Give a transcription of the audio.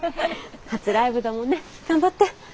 初ライブだもんね。頑張って。